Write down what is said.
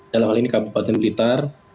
dalam hal ini kabupaten blitar